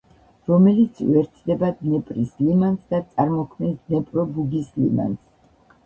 რომელიც უერთდება დნეპრის ლიმანს და წარმოქმნის დნეპრო-ბუგის ლიმანს.